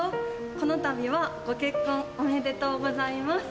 このたびはご結婚おめでとうございます。